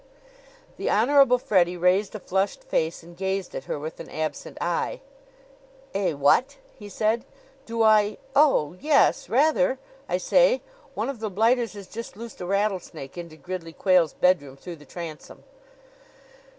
The Honorable Freddie raised a flushed face and gazed at her with an absent eye. "Eh? What?" he said. "Do I Oh; yes, rather! I say, one of the blighters has just loosed a rattlesnake into Gridley Quayle's bedroom through the transom!"